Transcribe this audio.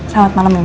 selamat malam mas